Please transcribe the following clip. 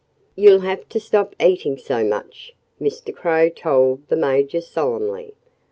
"You'll have to stop eating so much," Mr. Crow told the Major solemnly.